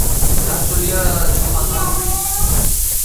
დაცულია ჩოხატაურის მხარეთმცოდნეობის მუზეუმში.